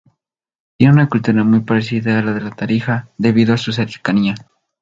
Tiene una cultura muy parecida a la de Tarija debido a su cercanía.